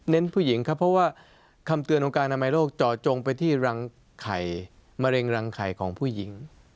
ผู้หญิงครับเพราะว่าคำเตือนของการอนามัยโลกจ่อจงไปที่รังไข่มะเร็งรังไข่ของผู้หญิง